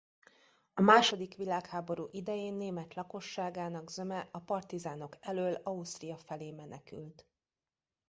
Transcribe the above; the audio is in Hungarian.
A második világháború idején német lakosságának zöme a partizánok elől Ausztria felé menekült.